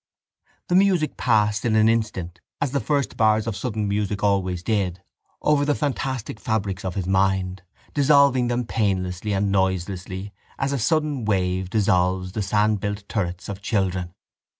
The music passed in an instant, as the first bars of sudden music always did, over the fantastic fabrics of his mind, dissolving them painlessly and noiselessly as a sudden wave dissolves the sandbuilt turrets of children.